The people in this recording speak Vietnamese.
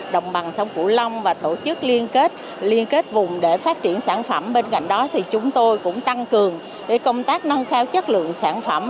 đồng bằng sông cửu long và tổ chức liên kết vùng để phát triển sản phẩm bên cạnh đó thì chúng tôi cũng tăng cường công tác nâng cao chất lượng sản phẩm